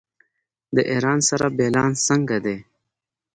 د ایران سره بیلانس څنګه دی؟